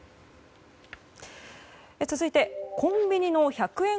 続いて、コンビニの１００円